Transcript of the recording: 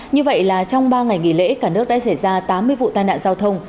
như vậy là trong ba ngày nghỉ lễ cả nước đã xảy ra tám mươi vụ tai nạn giao thông